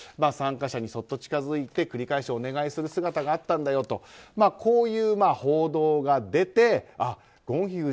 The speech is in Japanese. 参加者にそっと近づいて繰り返しお願いする姿があったんだよとこういう報道が出てゴンヒ